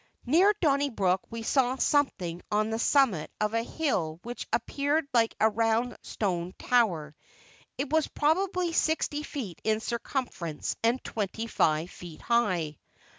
Near Donnybrook we saw something on the summit of a hill which appeared like a round stone tower. It was probably sixty feet in circumference and twenty five feet high.